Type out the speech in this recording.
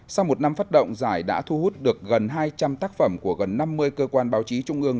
sau một năm phát động giải đã thu hút được gần hai trăm linh tác phẩm của gần năm mươi cơ quan báo chí trung ương